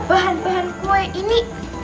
bahan bahan kue ini